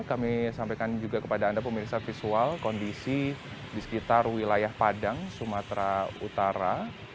kami sampaikan juga kepada anda pemirsa visual kondisi di sekitar wilayah padang sumatera utara